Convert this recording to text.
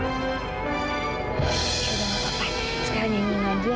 sudah gak apa apa sekarang yang ingin nongol dia